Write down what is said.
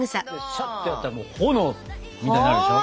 シャッてやったら炎みたいになるでしょ。